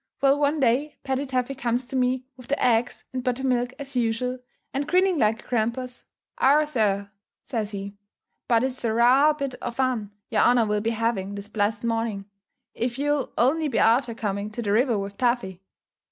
Well, one day, Paddy Taffy comes to me with the eggs and butter milk as usual; and, grinning like a grampus, "Augh! sir," says he, "but it's the raal bit of fun yer honour will be having this blessed morning, if you'll only be after coming to the river with Taffy."